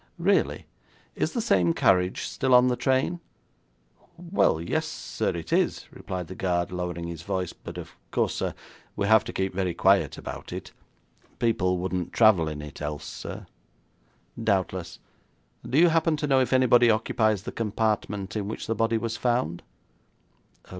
'Really? Is the same carriage still on the train?' 'Well, yes, sir, it is,' replied the guard, lowering his voice, 'but of course, sir, we have to keep very quiet about it. People wouldn't travel in it, else, sir.' 'Doubtless. Do you happen to know if anybody occupies the compartment in which the body was found?'